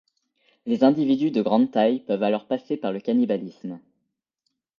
Les individus de grande taille peuvent alors passer par le cannibalisme.